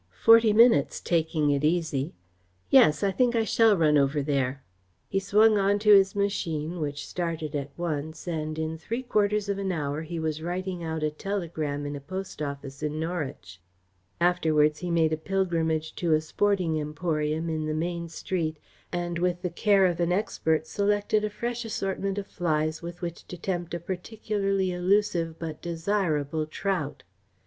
"Forty minutes, taking it easy. Yes, I think I shall run over there." He swung on to his machine, which started at once, and in three quarters of an hour he was writing out a telegram in a post office in Norwich. Afterwards he made a pilgrimage to a sporting emporium in the main street, and with the care of an expert selected a fresh assortment of flies with which to tempt a particularly elusive but desirable trout.